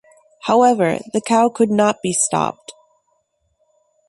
However, the cow could not be stopped.